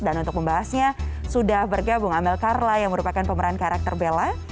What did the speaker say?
dan untuk membahasnya sudah bergabung amel karla yang merupakan pemeran karakter bella